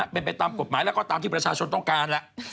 เป็นไปตามกฎหมายแล้วก็ตามที่ประชาชนต้องการแล้ว